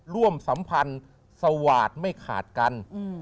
สัมพันธ์สวาสตร์ไม่ขาดกัน